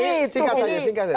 singkat saja singkat saja